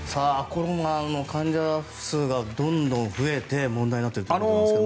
コロナの患者数がどんどん増えて問題になっているということですが。